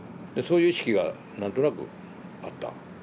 そういう意識が何となくあった。